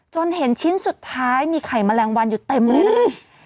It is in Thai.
เห็นชิ้นสุดท้ายมีไข่แมลงวันอยู่เต็มเลยนะ